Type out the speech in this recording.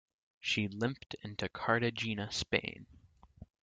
She limped into Cartagena Spain.